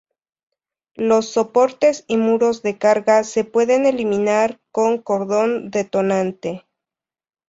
Los soportes y muros de carga se pueden eliminar con cordón detonante.